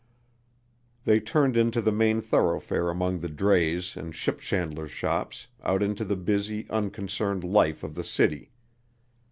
They turned into the main thoroughfare among the drays and ship chandlers' shops, out into the busy, unconcerned life of the city.